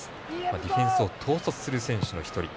ディフェンスを統率する選手の一人。